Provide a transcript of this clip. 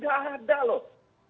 gak ada loh